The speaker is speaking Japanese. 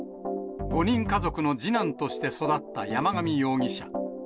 ５人家族の次男として育った山上容疑者。